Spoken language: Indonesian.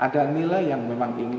ada nilai yang memang ingin